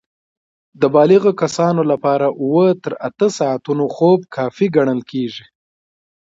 د بالغو کسانو لپاره اووه تر اته ساعتونه خوب کافي ګڼل کېږي.